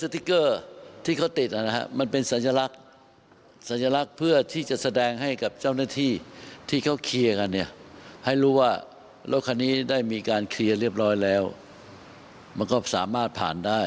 สติ๊กเกอร์ที่เขาติดนะฮะมันเป็นสัญลักษณ์สัญลักษณ์เพื่อที่จะแสดงให้กับเจ้าหน้าที่ที่เขาเคลียร์กันเนี่ยให้รู้ว่ารถคันนี้ได้มีการเคลียร์เรียบร้อยแล้วมันก็สามารถผ่านได้